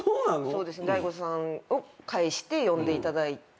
そうですね大悟さんを介して呼んでいただいて。